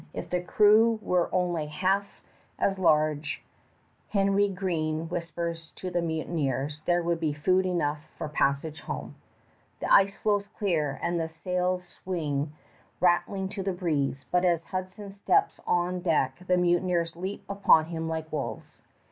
If the crew were only half as large, Henry Green whispers to the mutineers, there would be food enough for passage home. The ice floes clear, the sails swing rattling to the breeze, but as Hudson steps on deck, the mutineers leap upon him like wolves.